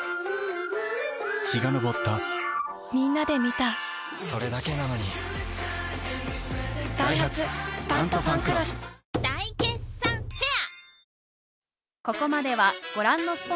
陽が昇ったみんなで観たそれだけなのにダイハツ「タントファンクロス」大決算フェア